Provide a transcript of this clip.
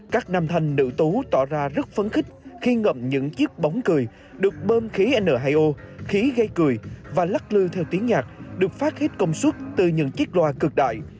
các nam thanh nữ tú tỏ ra rất phấn khích khi ngậm những chiếc bóng cười được bơm khí n hai o khí gây cười và lắc lư theo tiếng nhạc được phát hết công suất từ những chiếc loa cực đại